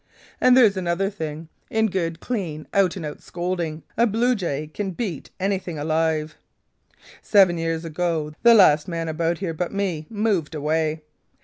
And there's another thing: in good, clean, out and out scolding, a bluejay can beat anything alive. "Seven years ago the last man about here but me moved away.